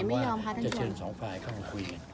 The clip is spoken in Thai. ผมก็อยากว่าจะเชื่อเองทั้ง๒ฝ่ายเขามันคุย